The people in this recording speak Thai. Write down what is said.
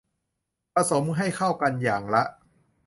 ผสมให้เข้ากันอย่างละ